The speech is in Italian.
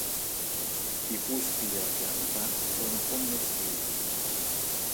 I fusti della pianta sono commestibili.